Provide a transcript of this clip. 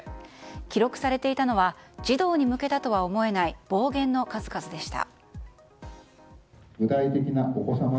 記録されていたのは児童に向けたとは思えない暴言の数々でした。